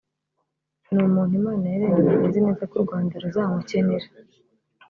ni umuntu Imana yaremye izi neza ko u Rwanda ruzamukenera